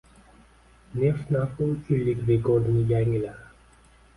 Neft narxiuchyillik rekordni yangiladi